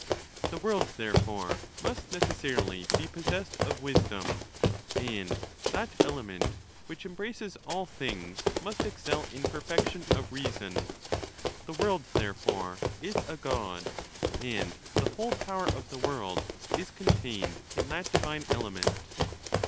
The world, therefore, must necessarily be possessed of wisdom ; and that element, which embraces all things, must excel in perfection of reason. The world, therefore, is a God, and the whole power of the world is contained in that divine element.